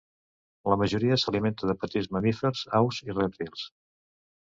La majoria s'alimenta de petits mamífers, aus i rèptils.